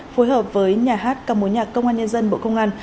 phối hợp với nhà hát ca mối nhạc công an nhân dân bộ công an